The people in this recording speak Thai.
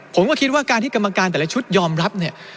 ผมก็คิดว่าการที่กรรมการแต่ละชุดยอมรับเนี่ย